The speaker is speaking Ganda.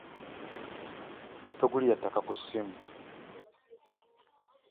Togulira ttaka ku ssimu.